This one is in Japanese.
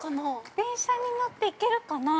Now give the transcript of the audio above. ◆電車に乗って行けるかなー。